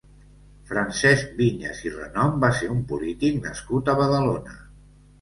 Francesc Viñas i Renom va ser un polític nascut a Badalona.